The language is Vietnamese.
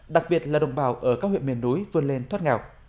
đặc biệt là đồng bào ở các huyện miền núi vươn lên thoát nghèo